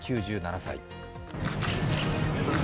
９７歳。